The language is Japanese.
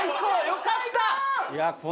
よかった！